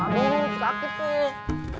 aduh sakit tuh